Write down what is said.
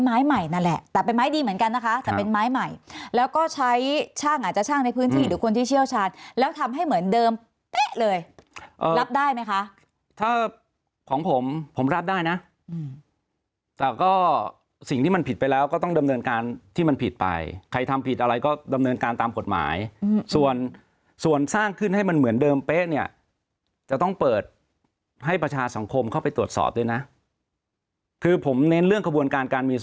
ไม้ใหม่นั่นแหละแต่เป็นไม้ดีเหมือนกันนะคะแต่เป็นไม้ใหม่แล้วก็ใช้ช่างอาจจะช่างในพื้นที่ทุกคนที่เชี่ยวชาญแล้วทำให้เหมือนเดิมเลยรับได้ไหมคะถ้าของผมผมรับได้นะแต่ก็สิ่งที่มันผิดไปแล้วก็ต้องดำเนินการที่มันผิดไปใครทำผิดอะไร